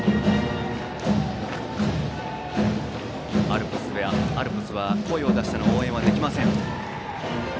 アルプスは声を出しての応援はできません。